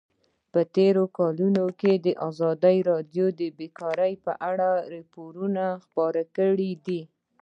په تېرو کلونو کې ازادي راډیو د بیکاري په اړه راپورونه خپاره کړي دي.